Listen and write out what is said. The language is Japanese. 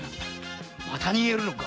また逃げるのか？